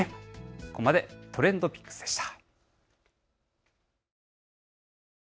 ここまでＴｒｅｎｄＰｉｃｋｓでした。